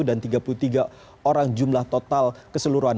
dan tiga puluh tiga orang jumlah total keseluruhan